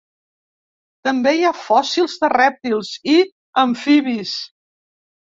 També hi ha fòssils de rèptils i amfibis.